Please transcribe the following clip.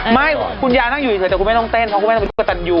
ไม่คุณยายนั่งอยู่เฉยแต่คุณแม่ต้องเต้นเพราะคุณแม่ต้องเป็นคู่กระตันยู